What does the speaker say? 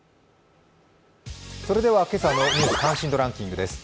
それでは今朝のニュース関心度ランキングです。